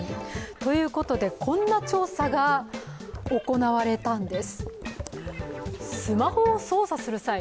ということで、こんな調査が行われたんです。